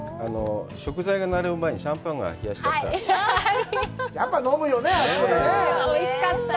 食材が並ぶ前に、シャンパンが冷やしてあった。